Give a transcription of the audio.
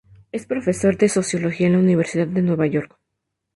Es profesor de sociología en la Universidad de Nueva York.